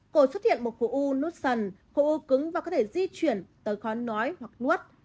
cổ xuất hiện một khổ u nút sần khổ u cứng và có thể di chuyển tới khó nói hoặc nuốt